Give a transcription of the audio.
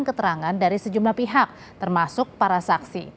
keterangan dari sejumlah pihak termasuk para saksi